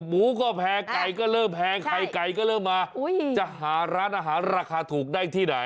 หมูก็แพงไก่ก็เริ่มแพงไข่ไก่ก็เริ่มมาจะหาร้านอาหารราคาถูกได้ที่ไหน